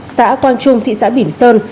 xã quang trung thị xã bỉm sơn